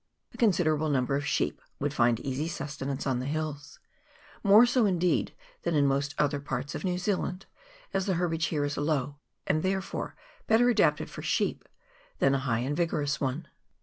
A consi derable number of sheep would find easy sustenance on the hills, more so indeed than in most other parts of New Zealand, as the herbage here is low, and therefore better adapted for sheep than a high and vigorous one.